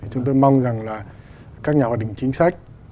chúng tôi mong rằng là các nhà hoạt định chính sách